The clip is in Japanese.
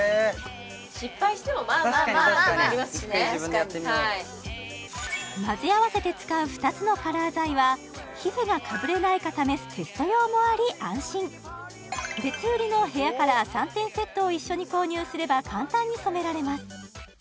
確かに確かに一回自分でやってみよう混ぜ合わせて使う２つのカラー剤は皮膚がかぶれないか試すテスト用もあり安心別売りのヘアカラー３点セットを一緒に購入すれば簡単に染められます